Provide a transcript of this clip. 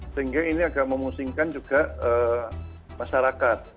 sehingga ini agak memusingkan juga masyarakat